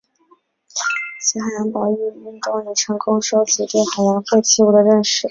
国际海洋保育运动已成功收集对海洋废弃物的认识。